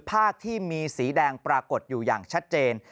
ภาคที่มีสีแดงปรากฏอยู่อย่างชัดเจน